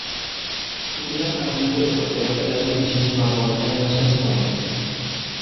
Il ha vinto il trofeo per la dodicesima volta nella sua storia.